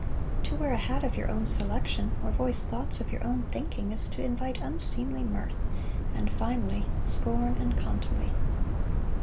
To wear a hat of your own selection or voice thoughts of your own thinking is to invite unseemly mirth, and finally scorn and contumely.